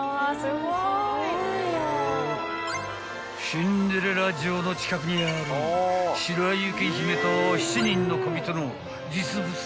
［シンデレラ城の近くにある白雪姫と７人のこびとの実物大の彫刻］